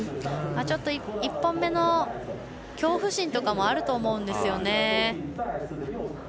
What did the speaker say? ちょっと、１本目の恐怖心とかもあると思うんですよ。